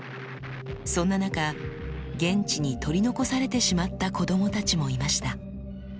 そんな中現地に取り残されてしまった子供たちもいました。